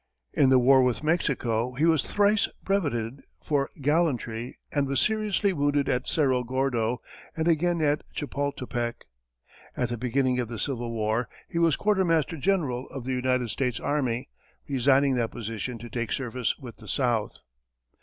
In the war with Mexico he was thrice brevetted for gallantry, and was seriously wounded at Cerro Gordo and again at Chapultepec. At the beginning of the Civil War, he was quartermaster general of the United States army, resigning that position to take service with the South.